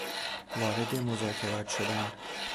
وارد مذاکرات شدن